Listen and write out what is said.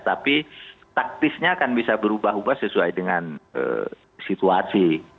tapi taktisnya akan bisa berubah ubah sesuai dengan situasi